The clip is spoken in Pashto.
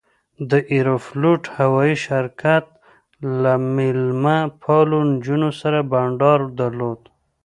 د ایروفلوټ هوایي شرکت له میلمه پالو نجونو سره بنډار درلود.